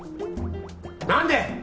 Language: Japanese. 何で！